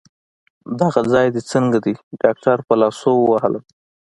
دغه ځای دي څنګه دی؟ ډاکټر په لاسو ووهلم.